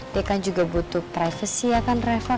dia kan juga butuh privasi ya kan reva